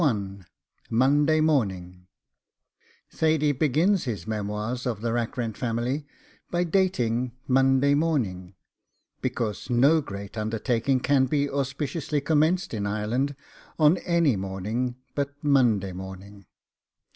MONDAY MORNING Thady begins his memoirs of the Rackrent Family by dating MONDAY MORNING, because no great undertaking can be auspiciously commenced in Ireland on any morning but MONDAY MORNING.